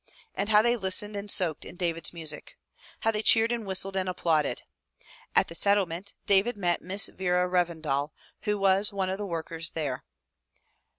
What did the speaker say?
And how they listened and soaked in David's music! How they cheered and whistled and applauded! At the Settlement David met Miss Vera Reven dal, who was one of the workers there.